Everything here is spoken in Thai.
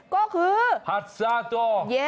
ก็คือพัสซาโต้